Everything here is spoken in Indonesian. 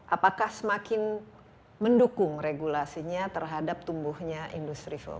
apakah semakin mendukung regulasinya terhadap tumbuhnya industri film